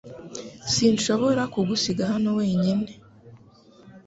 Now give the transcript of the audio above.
Sinshobora kugusiga hano wenyine .